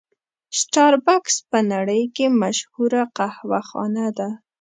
سټار بکس په نړۍ کې مشهوره قهوه خانه ده.